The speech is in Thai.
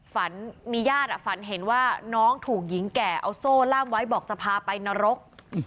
ฝันมีญาติฝันเห็นว่าน้องถูกหญิงแก่เอาโซ่ล่ามไว้บอกจะพาไปนรก